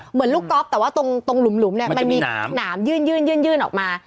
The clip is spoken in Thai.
เหมือนลูกก๊อฟแต่ว่าตรงหลุมเนี่ยมันมีหนามยื่นออกมา